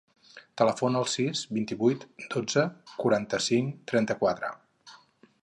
Telefona al sis, vint-i-vuit, dotze, quaranta-cinc, trenta-quatre.